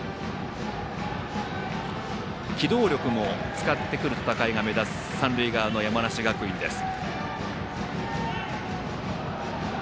機動力も使ってくる戦いが目立つ三塁側の山梨学院です。